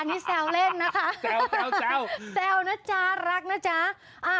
อันนี้แซวเล่นนะคะแซวแซวแซวแซวนะจ๊ะรักนะจ๊ะอ่า